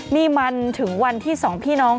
นี่มันถึงวันที่สองพี่น้อง